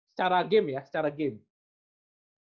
secara game ya secara game